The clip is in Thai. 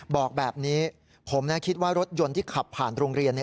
บอกแบบนี้ผมคิดว่ารถยนต์ที่ขับผ่านโรงเรียน